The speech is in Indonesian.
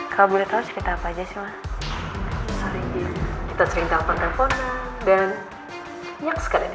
kok hilang suaranya